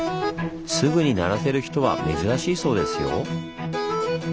すぐに鳴らせる人は珍しいそうですよ。